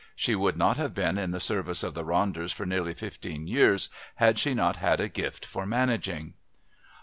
She would not have been in the service of the Ronders for nearly fifteen years had she not had a gift for managing....